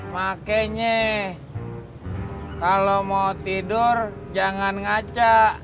makanya kalau mau tidur jangan ngacak